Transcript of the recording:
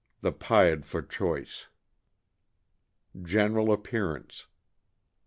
The pied for choice. General appearance.